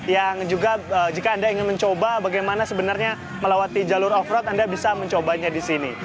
yang juga jika anda ingin mencoba bagaimana sebenarnya melewati jalur off road anda bisa mencobanya di sini